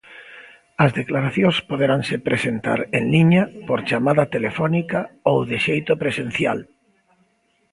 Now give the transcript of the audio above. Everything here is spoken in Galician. As declaracións poderanse presentar en liña, por chamada telefónica ou de xeito presencial.